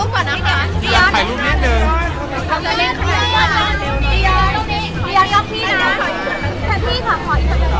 ขอถ่ายรูปก่อนนะคะ